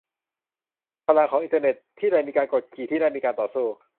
พลังของอินเตอร์เน็ต : ที่ใดมีการกดขี่ ที่นั่นมีการต่อสู้